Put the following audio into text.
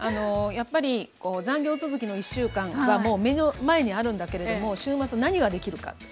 やっぱり残業続きの１週間がもう目の前にあるんだけれども週末何ができるか。